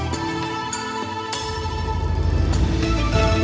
ตอนต่อไป